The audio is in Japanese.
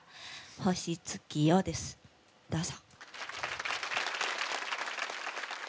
「星月夜」です、どうぞ。